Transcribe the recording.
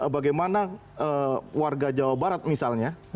bagaimana warga jawa barat misalnya